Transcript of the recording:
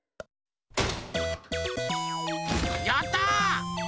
やった！